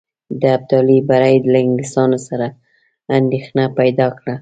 د ابدالي بری له انګلیسیانو سره اندېښنه پیدا کړه.